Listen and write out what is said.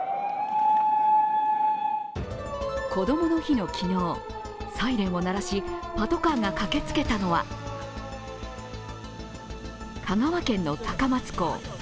こどもの日の昨日、サイレンを鳴らし、パトカーが駆けつけたのは香川県の高松港。